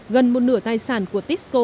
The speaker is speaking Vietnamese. gần một nửa tài sản của tisco